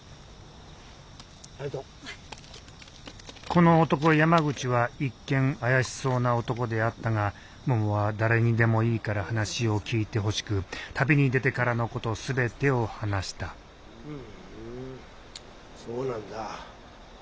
この男山口は一見怪しそうな男であったがももは誰にでもいいから話を聞いてほしく旅に出てからのこと全てを話したふんそうなんだ。